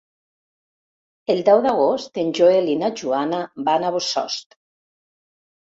El deu d'agost en Joel i na Joana van a Bossòst.